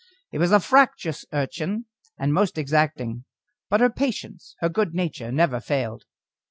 He was a fractious urchin, and most exacting, but her patience, her good nature, never failed.